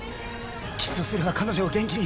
キスをすれば彼女を元気に。